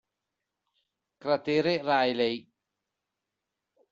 Cratere Rayleigh